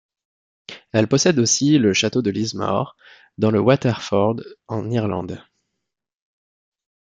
Elle possède aussi le château de Lismore dans le Waterford en Irlande.